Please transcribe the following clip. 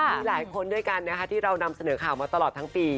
มีหลายคนด้วยกันนะคะที่เรานำเสนอข่าวมาตลอดทั้งปี